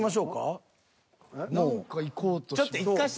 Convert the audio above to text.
何かいこうとして。